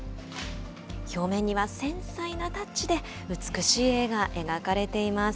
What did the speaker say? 表面には繊細なタッチで、美しい絵が描かれています。